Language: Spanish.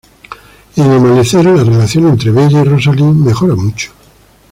En "Amanecer", la relación entre Bella y Rosalie mejora mucho.